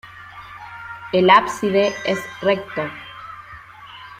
El ábside es recto.